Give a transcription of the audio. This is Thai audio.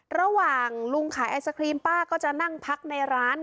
ระหว่างลุงขายไอศครีมป้าก็จะนั่งพักในร้าน